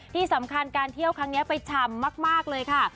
ที่สำคัญการเที่ยวครั้งนี้ไปฉ่ำมากเลยค่ะ